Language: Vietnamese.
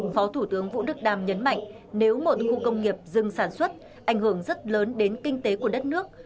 phó thủ tướng vũ đức đam nhấn mạnh nếu một khu công nghiệp dừng sản xuất ảnh hưởng rất lớn đến kinh tế của đất nước